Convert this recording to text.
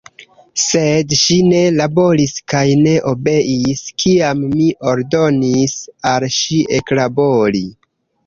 Sed ŝi ne laboris kaj ne obeis, kiam mi ordonis al ŝi eklabori.